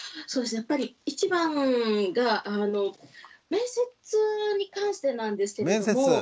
やっぱり一番が面接に関してなんですけれども。